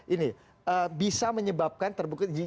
ini bisa menyebabkan terbukti